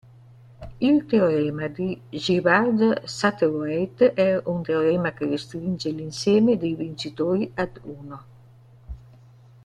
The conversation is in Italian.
Il teorema di Gibbard-Satterthwaite è un teorema che restringe l'insieme dei vincitori ad uno.